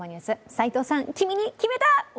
齋藤さん、君に決めた！